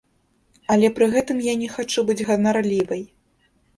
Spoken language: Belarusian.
Але пры гэтым я не хачу быць ганарлівай.